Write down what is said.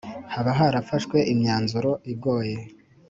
Hakaba harafashwe imyanzuru igoye.